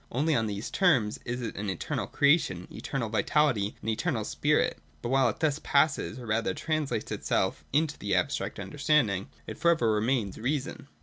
Only on these terms is it an eternal creation, eternal vitality, and eternal spirit. But while it thus passes or rather trans lates itself into the abstract understanding, it for ever remains reason.